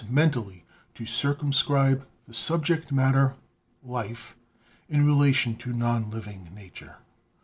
mentally to circumscribe the subject matter, life, in rela tion to non living nature.